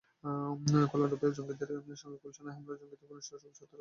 কল্যাণপুরের জঙ্গিদের সঙ্গে গুলশানে হামলার জঙ্গিদের ঘনিষ্ঠ যোগসূত্র আছে বলে দাবি পুলিশের।